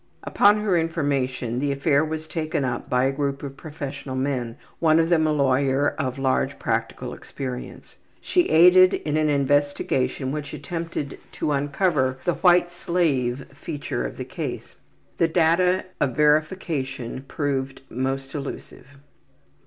Upon her information the affair was taken up by a group of professional men, one of them a lawyer of large practical experience. She aided in an investigation which attempted to uncover the ``white slave'' feature of the case. The data of verification proved most elusive.